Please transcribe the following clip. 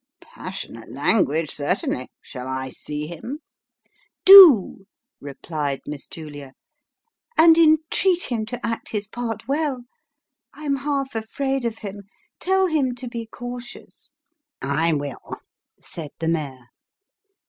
Passionate language, certainly. Shall I see him ?"" Do," replied Miss Julia ;" and entreat him to act his part well. I am half afraid of him. Tell him to be cautious." " I will," said the mayor.